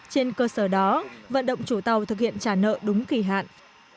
trên cơ sở đó vận động chủ tàu thực hiện trả nợ đúng kỳ hạn